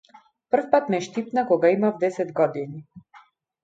Првпат ме штипна кога имав десет години.